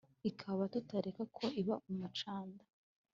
Ikaba tutareka ko iba umucanda!"